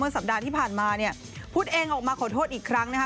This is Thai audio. สัปดาห์ที่ผ่านมาเนี่ยพุทธเองออกมาขอโทษอีกครั้งนะคะ